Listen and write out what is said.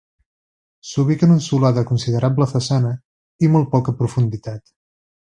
S'ubica en un solar de considerable façana i molt poca profunditat.